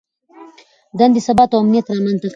دندې ثبات او امنیت رامنځته کوي.